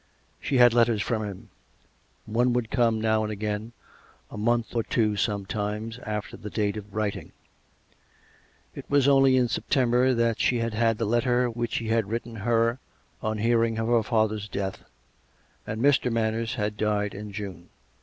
She had letters from him: one would come now and again, a month or two sometimes after the date of writing. It was only in September that she had had the letter which he had written her on hearing of her father's death, and Mr. Manners had died in June.